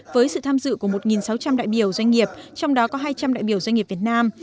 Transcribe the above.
với sự tham dự của một sáu trăm linh đại biểu doanh nghiệp trong đó có hai trăm linh đại biểu doanh nghiệp việt nam